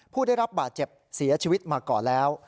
ผู้ได้รับบาดเจ็บเสียชีวิตมาก่อนแล้ว